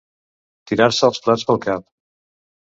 Tirar-se els plats pel cap.